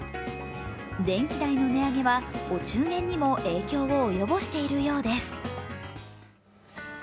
電気代の値上げはお中元にも影響を及ぼしているようです。